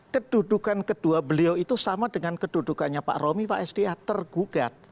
kedudukan kedua beliau itu sama dengan kedudukannya pak romi pak sd ya tergugat